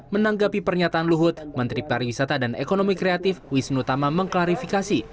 menanggapi pernyataan luhut menteri pariwisata dan ekonomi kreatif wisnu tama mengklarifikasi